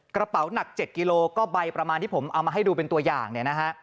กระเป๋าหนัก๗กิโลก็ใบประมาณที่ผมเอามาให้ดูเป็นตัวอย่างเนี่ยนะฮะ